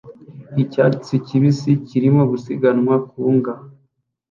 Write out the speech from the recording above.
Icyatsi kibisi kirimo gusiganwa ku mbwa